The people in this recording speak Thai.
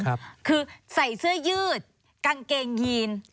คือใส่เสื้อยืดกางเกงยีน